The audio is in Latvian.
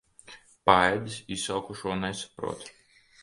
Paēdis izsalkušo nesaprot.